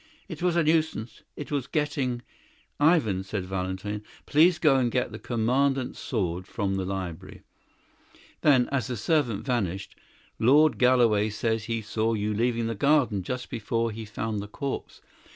"It was a nuisance, it was getting " "Ivan," said Valentin, "please go and get the Commandant's sword from the library." Then, as the servant vanished, "Lord Galloway says he saw you leaving the garden just before he found the corpse.